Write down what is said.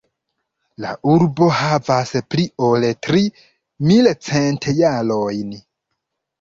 La urbo havas pli ol tri mil cent jarojn.